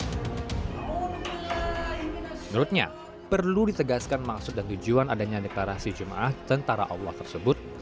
menurutnya perlu ditegaskan maksud dan tujuan adanya deklarasi jemaah tentara allah tersebut